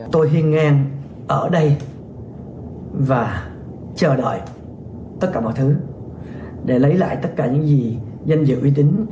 tôi hiên ngang ở đây và chờ đợi tất cả mọi thứ để lấy lại tất cả những gì danh dự uy tín